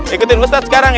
ikutin ustadz sekarang ya